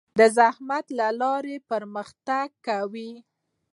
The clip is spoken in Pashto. د زحمت له لارې پرمختګ کوي.